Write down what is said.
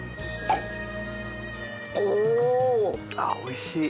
あおいしい。